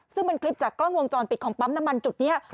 ซึ่งเป็นคลิปจากกล้องวงจรปิดของปั๊มน้ำมันจุดนี้